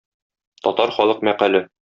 Татар халык мәкале.